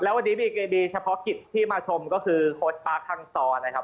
แล้ววันนี้มีเกบีเฉพาะกิจที่มาชมก็คือโค้ชปาร์คฮังซอร์นะครับ